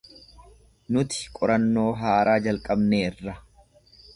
Nuti qorannoo haaraa jalqabneerra.